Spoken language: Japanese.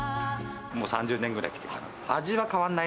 もう３０年ぐらい来てるかな。